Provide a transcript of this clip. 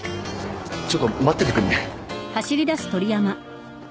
ちょっと待っててくんね？